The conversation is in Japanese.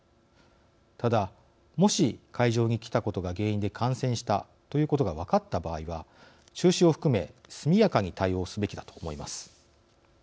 ただ、もし会場に来たことが原因で感染したということが分かった場合は中止を含め速やかに対応すべきだと思います。